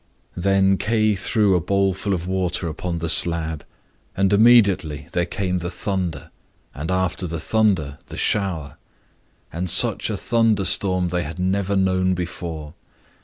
Then Kay threw a bowlful of water upon the slab, and immediately there came the thunder, and after the thunder the shower. And such a thunder storm they had never known before.